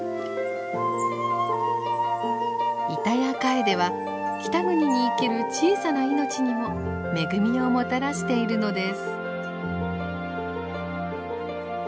イタヤカエデは北国に生きる小さな命にも恵みをもたらしているのです。